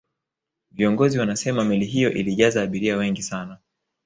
viongozi wanasema meli hiyo ilijaza abiria wengi sana